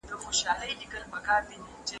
هغه اوس مهال د ناول مرکزي کرکټر څېړي.